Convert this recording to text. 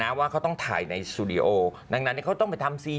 นะว่าเขาต้องถ่ายในสุดิโอดังนั้นอย่างนี้เขาต้องไปถ่าย